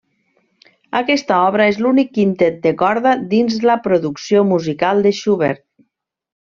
Aquesta obra és l'únic quintet de corda dins la producció musical de Schubert.